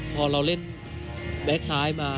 พอเราเล่นแบ็คซ้ายมา